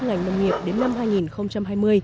ngành nông nghiệp đến năm hai nghìn hai mươi